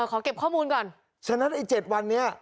ขอเก็บข้อมูลก่อนฉะนั้นไอ้๗วันนี้